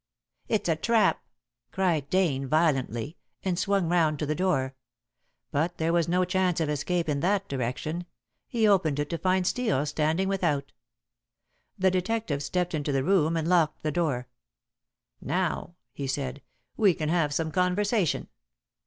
"It's a trap!" cried Dane violently, and swung round to the door. But there was no chance of escape in that direction. He opened it to find Steel standing without. The detective stepped into the room and locked the door. "Now," he said, "we can have some conversation.